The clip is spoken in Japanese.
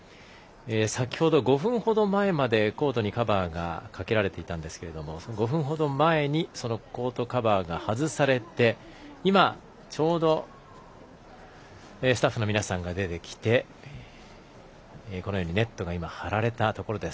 先ほど５分ほど前までコートにカバーがかけられていたんですけれども５分ほど前にそのコートカバーがはずされて今、ちょうどスタッフの皆さんが出てきてネットが張られたところです。